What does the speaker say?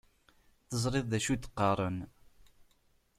Teẓriḍ d acu i d-qqaren..